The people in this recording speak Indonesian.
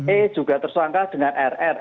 e juga tersangka dengan rr